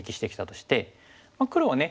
黒はね